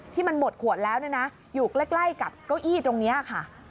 ที่มันหมดขวดแล้วอยู่ใกล้กับเก้าอี้ตรงนี้ค่ะ